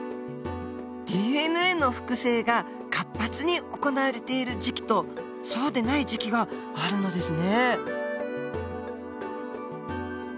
ＤＮＡの複製が活発に行われている時期とそうでない時期があるのですね。